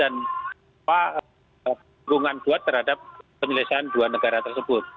nah perlindungan buat terhadap penyelesaian dua negara tersebut